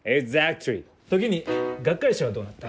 時に学会誌はどうなった？